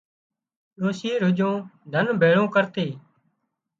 ڏوشي رُڄون ڌن ڀيۯون ڪرتي